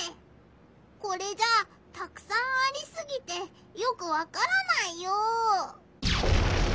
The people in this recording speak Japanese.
これじゃたくさんありすぎてよくわからないよ！